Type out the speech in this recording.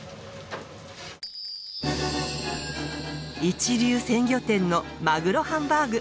一流鮮魚店のまぐろハンバーグ。